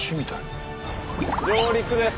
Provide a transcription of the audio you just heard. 上陸です。